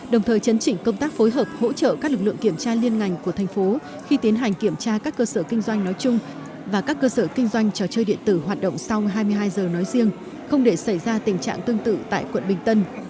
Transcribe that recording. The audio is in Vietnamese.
đồng thời chấn chỉnh công tác phối hợp hỗ trợ các lực lượng kiểm tra liên ngành của thành phố khi tiến hành kiểm tra các cơ sở kinh doanh nói chung và các cơ sở kinh doanh trò chơi điện tử hoạt động sau hai mươi hai h nói riêng không để xảy ra tình trạng tương tự tại quận bình tân